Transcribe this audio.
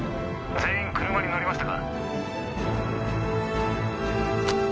全員車に乗りましたか？